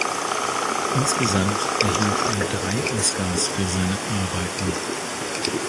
Insgesamt erhielt er drei Oscars für seine Arbeiten.